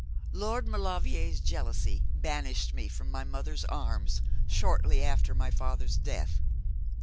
Lord Maulevrier's jealousy banished me from my mother's arms shortly after my father's death.